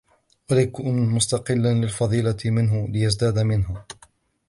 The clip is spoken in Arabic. وَلْيَكُنْ مُسْتَقِلًّا لِلْفَضِيلَةِ مِنْهُ لِيَزْدَادَ مِنْهَا